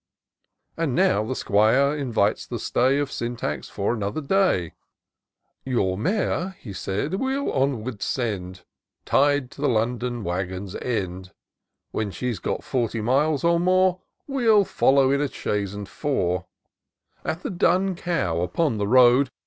And now the 'Squire invites the stay Of Syntax for another day. Your mare," he said, " we'll onward send, Tied to the London wagon's end ; When she's got forty miles, or more, We'll follow in a chaise and four : At the Dun Cow, upon the road.